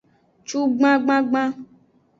Cugban gbangban.